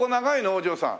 お嬢さん。